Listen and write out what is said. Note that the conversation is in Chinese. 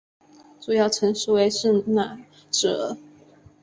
主要城镇为圣纳泽尔。